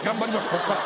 ここから。